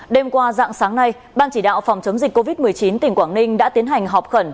đêm qua dạng sáng nay ban chỉ đạo phòng chống dịch covid một mươi chín tỉnh quảng ninh đã tiến hành họp khẩn